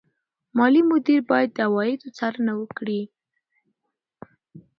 مالي مدیر باید د عوایدو څارنه وکړي.